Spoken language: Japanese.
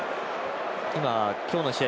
今日の試合